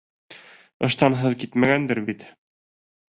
Ыштанһыҙ китмәгәндер бит!